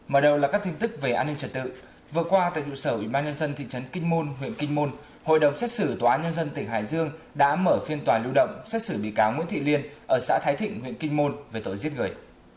mở đầu là các tin tức về an ninh trật tự vừa qua tại trụ sở ủy ban nhân dân thị trấn kinh môn huyện kinh môn hội đồng xét xử tòa án nhân dân tỉnh hải dương đã mở phiên tòa lưu động xét xử bị cáo nguyễn thị liên ở xã thái thịnh huyện kinh môn về tội giết người